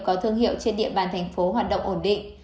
có thương hiệu trên địa bàn tp hcm hoạt động ổn định